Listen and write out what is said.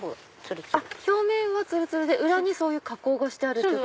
表面はつるつるで裏にそういう加工がしてある。